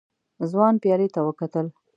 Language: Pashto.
ځوان پيالې ته وکتل.